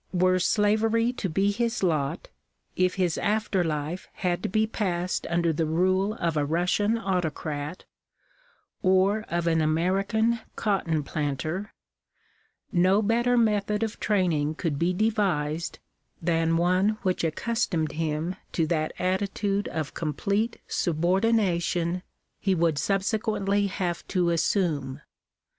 Were slavery to be his lot — if his after life had to be passed under the rule of a Russian autocrat, or of an American cotton planter, no better method of training could be devised than one which accustomed him to that attitude of oomplete subordina tion he would subsequently have to assume.